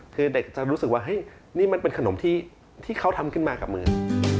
คือเด็กจะรู้สึกว่าเฮ้ยนี่มันเป็นขนมที่เขาทำขึ้นมากับมือ